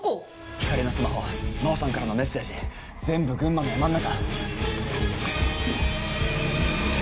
光莉のスマホ真帆さんからのメッセージ全部群馬の山ん中！